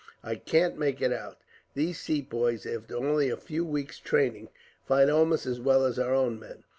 "I can't make it out. These Sepoys, after only a few weeks' training, fight almost as well as our own men.